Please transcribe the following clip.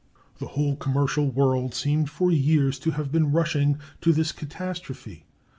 The whole commercial world seemed for years to have been rushing to this catastrophe.